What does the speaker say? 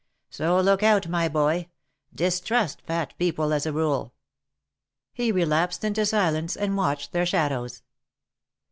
So look out, my boy; distrust Fat people as a rule." He relapsed into silence, and watched their shadows.